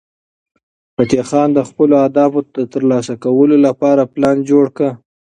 فتح خان د خپلو اهدافو د ترلاسه کولو لپاره پلان جوړ کړ.